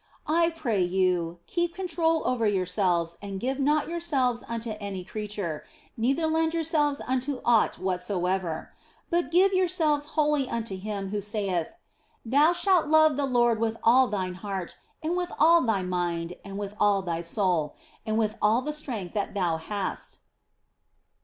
I pray you, keep control over yourselves and give not yourselves unto any creature, neither lend yourselves unto aught whatsoever ; but give yourselves wholly unto Him who saith, " Thou shalt love the Lord with all thine heart, and with all thy mind, and with all thy soul, and with all the strength that thou hast."